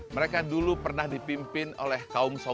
mereka dulu pernah dipimpin oleh kaum solo